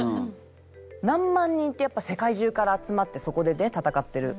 何万人ってやっぱ世界中から集まってそこでねたたかってる。